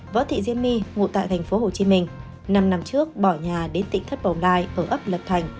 võ thị diê my ngụ tại tp hcm năm năm trước bỏ nhà đến tỉnh thất bồng lai ở ấp lập thành